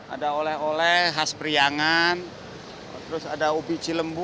ada oleh oleh khas priangan terus ada ubi cilembu